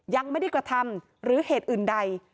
ยังไม่ได้กระทำหรือเหตุอื่นใด